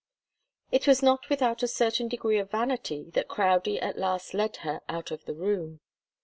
It was not without a certain degree of vanity that Crowdie at last led her out of the room.